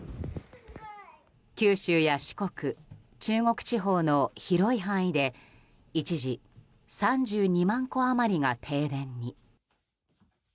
九州や四国中国地方の広い範囲で一時、３２万戸余りが停電に。